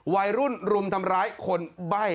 วัยรุ่นรุมทำร้ายคนใบ้